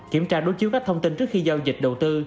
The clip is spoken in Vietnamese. kiểm tra đối chiếu các thông tin trước khi giao dịch đầu tư